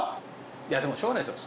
いやでもしょうがないですよ。